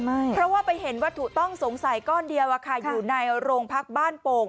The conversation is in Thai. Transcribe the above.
เพราะว่าไปเห็นวัตถุต้องสงสัยก้อนเดียวอะค่ะอยู่ในโรงพักบ้านโป่ง